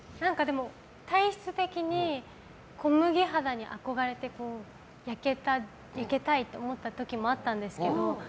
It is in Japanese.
体質的に小麦肌に憧れて焼けたいって思った時もあったんですけど